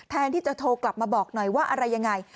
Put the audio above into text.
แทนที่จะโทรกลับมาบอกหน่อยว่าอะไรยังไง